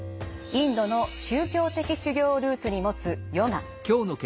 インドの宗教的修行をルーツに持つヨガ。